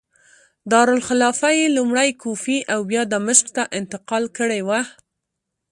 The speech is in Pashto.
دارالخلافه یې لومړی کوفې او بیا دمشق ته انتقال کړې وه.